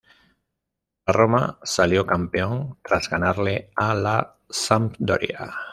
La Roma salió campeón tras ganarle a la Sampdoria.